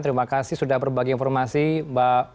terima kasih sudah berbagi informasi mbak